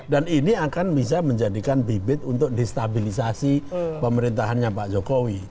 dan ini akan bisa menjadikan bibit untuk destabilisasi pemerintahannya pak jokowi